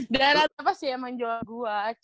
daerah apa sih yang menjual gue